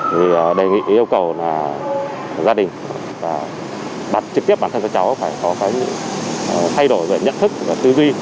vì đề nghị yêu cầu là gia đình bắt trực tiếp bản thân cho cháu phải có cái thay đổi về nhận thức và tư duy